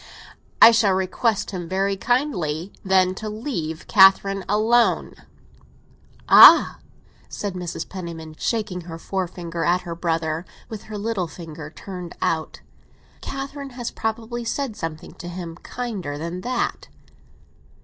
"I shall request him very kindly, then, to leave Catherine alone." "Ah!" said Mrs. Penniman, shaking her forefinger at her brother, with her little finger turned out, "Catherine had probably said something to him kinder than that."